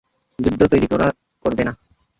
যুদ্ধ তৈরি করবে না!